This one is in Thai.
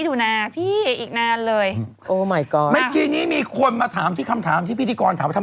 กุมภาพมินาเมสาพฤษภาพมินโฮมินา